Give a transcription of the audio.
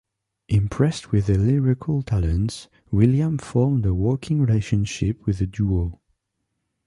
Impressed with their lyrical talents, Williams formed a working relationship with the duo.